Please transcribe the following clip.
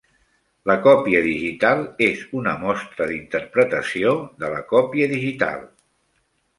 La còpia digital és una mostra d'interpretació de la còpia digital.